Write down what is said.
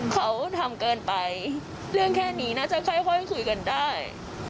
เขาทำเกินไปเรื่องแค่นี้น่าจะค่อยคุยกันได้